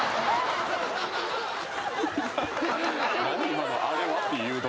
今の『あれは？』っていう誘導」